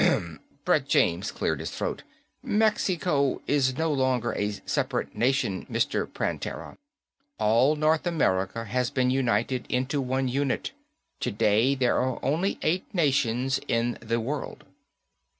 Brett James cleared his throat. "Mexico is no longer a separate nation, Mr. Prantera. All North America has been united into one unit. Today, there are only eight nations in the world."